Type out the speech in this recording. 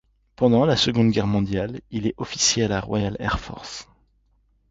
Pendant la Seconde Guerre mondiale, il est officier de la Royal Air Force.